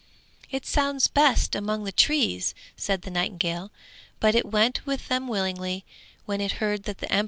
'It sounds best among the trees,' said the nightingale, but it went with them willingly when it heard that the emperor wished it.